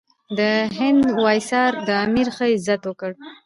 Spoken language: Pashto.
د هند وایسرا د امیر ښه عزت وکړ.